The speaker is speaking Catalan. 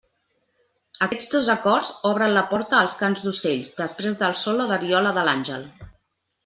Aquests dos acords obren la porta als cants d'ocells després del solo de viola de l'àngel.